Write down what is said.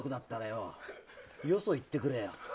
およそ行ってくれよ。